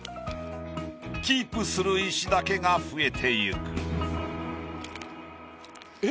キープする石だけが増えていく。